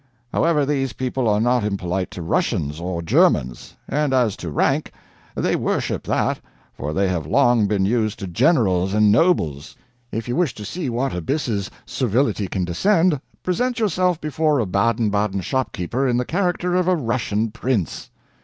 However, these people are not impolite to Russians or Germans. And as to rank, they worship that, for they have long been used to generals and nobles. If you wish to see what abysses servility can descend, present yourself before a Baden Baden shopkeeper in the character of a Russian prince."